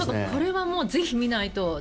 これはぜひ見ないと。